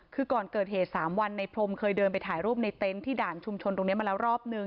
คือก่อนเกิดเหตุ๓วันในพรมเคยเดินไปถ่ายรูปในเต็นต์ที่ด่านชุมชนตรงนี้มาแล้วรอบนึง